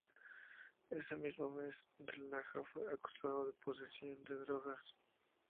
Ese mismo mes, Del Naja fue acusado de posesión de drogas.